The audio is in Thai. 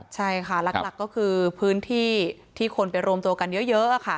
ใช่ค่ะหลักก็คือพื้นที่ที่คนไปรวมตัวกันเยอะค่ะ